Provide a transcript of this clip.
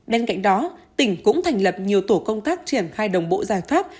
bên cạnh đó tỉnh cũng thành lập nhiều tổ công tác triển khai đồng bộ giải pháp